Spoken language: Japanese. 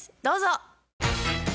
どうぞ。